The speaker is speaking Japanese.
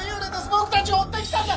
僕たちを追ってきたんだ！